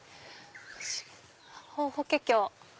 ホホケキョ。